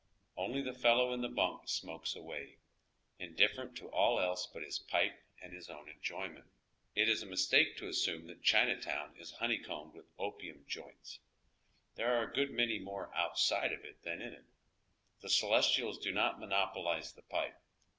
Only the fellow in the bunk smokes away, indifferent to all else but his pipe and his own enjoyment. It is a mistake to assume that Chinatown is honeycombed oy Google CHINATOWN. 95 with opium "joints," There are a good many more out side of it than in it. The celestials do not monopolize the pipe.